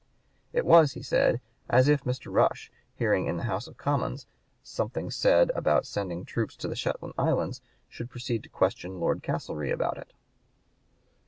It was, he said, as if Mr. Rush, hearing in the House of Commons something said about sending troops to the Shetland Islands, should proceed to question Lord Castlereagh about it.